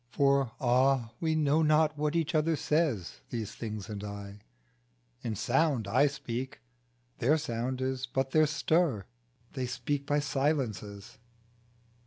For ah ! we know not what each other says These things and I ; in sound I speak Their sound is but their stir, they speak by silences.